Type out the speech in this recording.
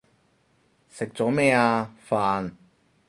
食咗咩啊？飯